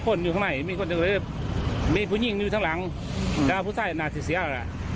ผู้หญิงอยู่ทั้งหลังกาพุสายก็น่าจะเสียอะแหละ